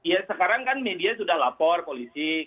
ya sekarang kan media sudah lapor polisi